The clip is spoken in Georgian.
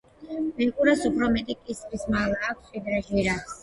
ბეღურას უფრო მეტი კისრის მალა აქვს, ვიდრე ჟირაფს.